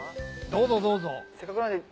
どうぞどうぞ。